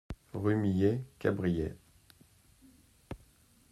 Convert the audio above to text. Rue Millet, Cabriès